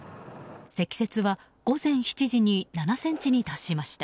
積雪は午前７時に７ｃｍに達しました。